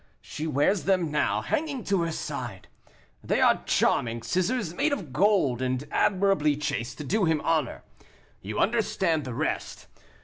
She wears them now, hanging to her side; they are charming scissors, made of gold, and admirably chased, to do him honor. You understand the rest.